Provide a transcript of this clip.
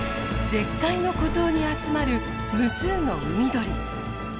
絶海の孤島に集まる無数の海鳥。